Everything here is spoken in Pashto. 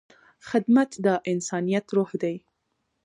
خدمت د انسانیت روح دی.